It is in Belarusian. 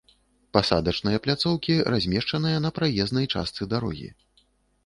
Пасадачныя пляцоўкі, размешчаныя на праезнай частцы дарогі